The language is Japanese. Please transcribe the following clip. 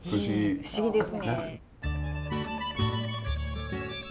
不思議ですね。